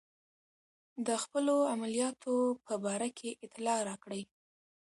د خپلو عملیاتو په باره کې اطلاع راکړئ.